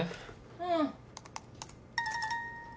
うん。